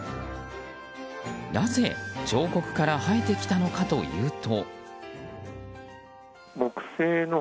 なぜ、彫刻から生えてきたのかというと。